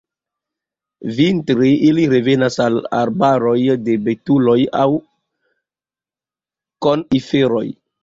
Vintre ili revenas al arbaroj de betuloj aŭ koniferoj.